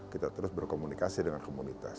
kita terus berkomunikasi dengan komunitas